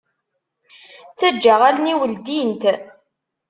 Taǧǧaɣ allen-iw ldint.